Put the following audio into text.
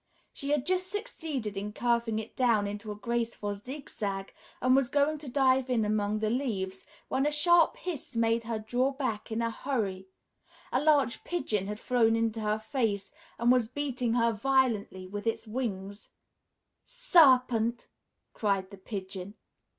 She had just succeeded in curving it down into a graceful zigzag and was going to dive in among the leaves, when a sharp hiss made her draw back in a hurry a large pigeon had flown into her face and was beating her violently with its wings. "Serpent!" cried the Pigeon.